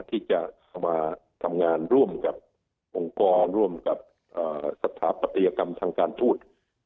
ที่จะเข้ามาทำงานร่วมกับองค์กรร่วมกับสถาปัตยกรรมทางการทูต